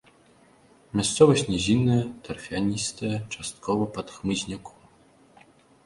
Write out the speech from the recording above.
Мясцовасць нізінная, тарфяністая, часткова пад хмызняком.